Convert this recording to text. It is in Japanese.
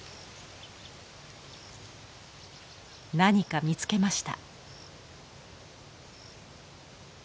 何か見つけました。